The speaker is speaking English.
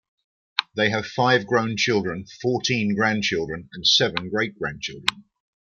They have five grown children, fourteen grandchildren, and seven great grandchildren.